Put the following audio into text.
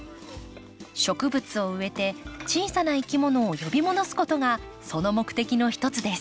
植物を植えて小さないきものを呼び戻すことがその目的のひとつです。